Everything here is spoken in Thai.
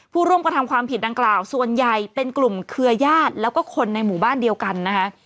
ผู้ร่วมกระทำความผิดดังกล่าวส่วนใหญ่เป็นกลุ่มเครือญาติแล้วก็คนในหมู่บ้านเดียวกันนะคะ